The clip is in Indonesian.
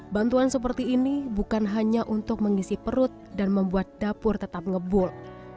bantuan seperti ini bukan hanya untuk mengisi perut dan membuat dapur tetap ngebul